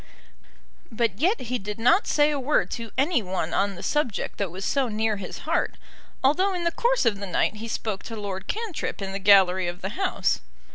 But yet he did not say a word to any one on the subject that was so near his heart, although in the course of the night he spoke to Lord Cantrip in the gallery of the House.